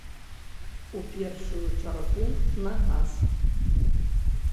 У першую чаргу на газ.